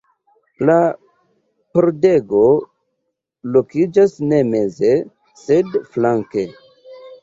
La pordego lokiĝas ne meze, sed flanke.